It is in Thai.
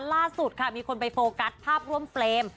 ล่าสุดค่ะมีคนไปโฟกัสภาพร่วมเฟรม